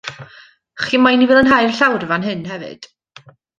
Chi moyn i fi lanhau'r llawr fan hyn hefyd?